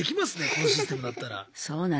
このシステムだったら。